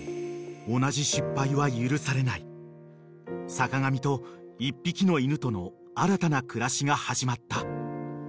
［坂上と１匹の犬との新たな暮らしが始まった］